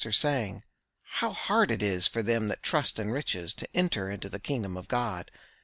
Children! how hard it is for them that trust In riches to enter into the kingdom of God!